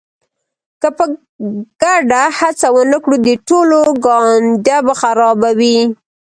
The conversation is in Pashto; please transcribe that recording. که په ګډه هڅه ونه کړو د ټولو ګانده به خرابه وي.